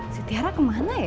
si tiara kemana ya